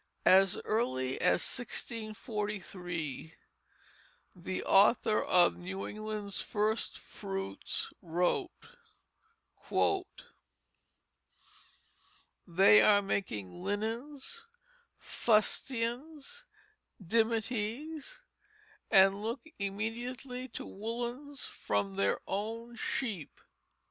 As early as 1643 the author of New England's First Fruits wrote: "They are making linens, fustians, dimities, and look immediately to woollens from their own sheep."